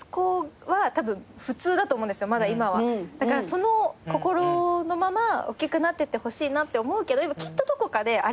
その心のままおっきくなってってほしいなって思うけどきっとどこかであれっ？